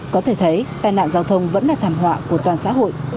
có thể thấy tai nạn giao thông vẫn là thảm họa của toàn xã hội